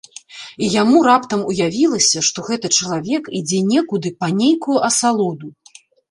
І яму раптам уявілася, што гэты чалавек ідзе некуды па нейкую асалоду.